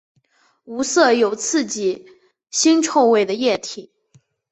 无色有刺激腥臭味的液体。